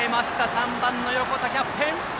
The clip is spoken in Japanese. ３番の横田キャプテン。